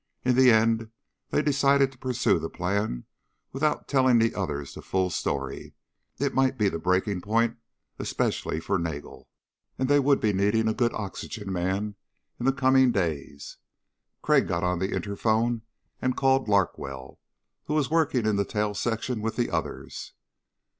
In the end they decided to pursue the plan without telling the others the full story. It might be the breaking point, especially for Nagel, and they would be needing a good oxygen man in the coming days. Crag got on the interphone and called Larkwell, who was working in the tail section with the others.